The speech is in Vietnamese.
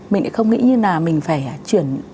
mình lại không nghĩ như là mình phải chuyển